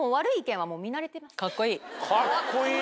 カッコいい。